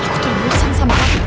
aku terbosan sama kamu